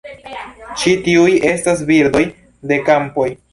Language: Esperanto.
Ĉi tiuj estas birdoj de kampoj.